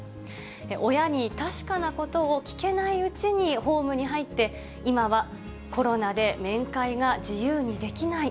親に確かなことを聞けないうちにホームに入って、今はコロナで面会が自由にできない。